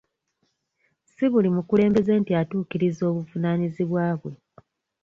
Si buli mukulembeze nti atuukiriza obuvunaanyizibwa bwe.